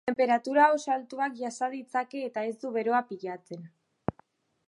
Tenperatura oso altuak jasa ditzake eta ez du beroa pilatzen.